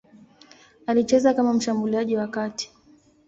Alicheza kama mshambuliaji wa kati.